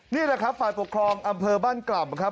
นี่แหละครับฝ่ายปกครองอำเภอบ้านกล่ำครับ